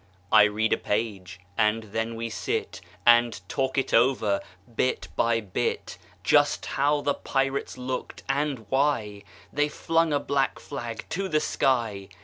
I read a page, and then we sit And talk it over, bit by bit; Just how the pirates looked, and why They flung a black flag to the sky.